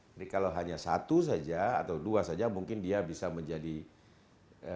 jadi kalau hanya satu saja atau dua saja mungkin dia bisa menyebut